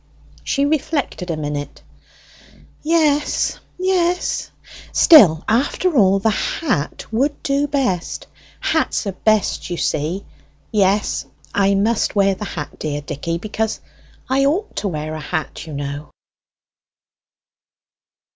She reflected a minute. "Yes; yes. Still, after all, the hat would do best; hats are best, you see. Yes, I must wear the hat, dear Dicky, because I ought to wear a hat, you know."